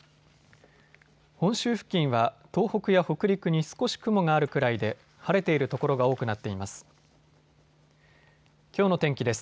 本州付近は東北や北陸に少し雲があるくらいで晴れている所が多くなっています。